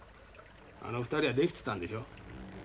あの２人はできてたんでしょう？